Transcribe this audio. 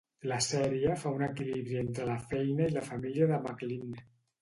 La sèrie fa un equilibri entre la feina i la família de McLean.